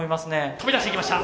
飛び出していきました。